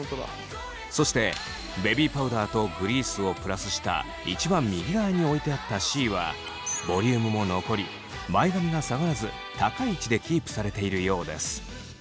そしてベビーパウダーとグリースをプラスした一番右側に置いてあったＣはボリュームも残り前髪が下がらず高い位置でキープされているようです。